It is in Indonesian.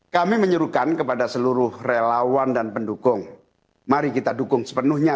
kami menyuruhkan kepada seluruh relawan dan pendukung mari kita dukung sepenuhnya